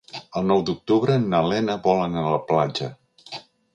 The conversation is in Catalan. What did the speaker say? El nou d'octubre na Lena vol anar a la platja.